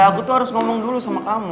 aku tuh harus ngomong dulu sama kamu